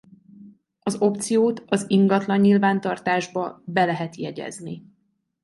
Az opciót az ingatlan-nyilvántartásba be lehet jegyezni.